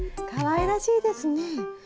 かわいらしいですね。